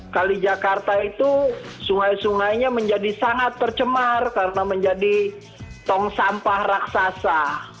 kalijakarta itu sungai sungainya menjadi sangat tercemar karena menjadi tong sampah raksasa